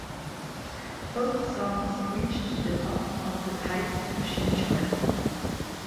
Both songs reached the top of the Hype Machine chart.